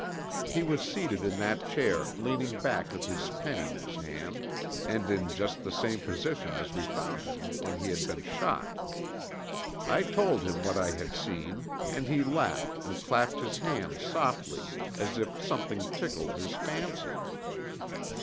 He was seated in that chair leaning back with his pen in his hand and in just the same position as we found him when he had been shot. I told him what I had seen and he laughed and clapped his hands softly as if something tickled his fancy."